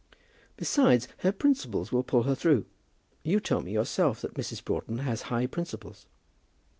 "Besides, her principles will pull her through. You told me yourself that Mrs. Broughton has high principles."